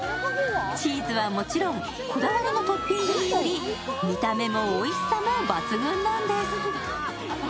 チーズはもちろんこだわりのトッピングにより見た目もおいしさも抜群なんです。